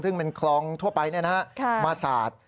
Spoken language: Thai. ซึ่งเป็นคลองทั่วไปมาสาด